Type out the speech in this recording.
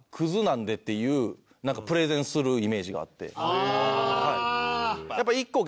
へえ。